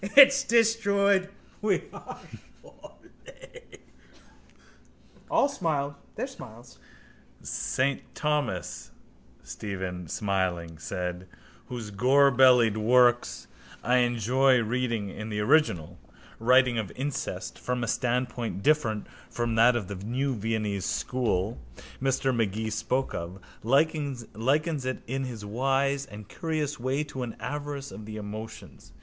It's destroyed we are surely! All smiled their smiles. —Saint Thomas, Stephen smiling said, whose gorbellied works I enjoy reading in the original, writing of incest from a standpoint different from that of the new Viennese school Mr Magee spoke of, likens it in his wise and curious way to an avarice of the emotions.